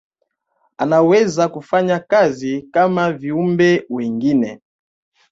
anaweza kufanya kazi kama viumbe wengine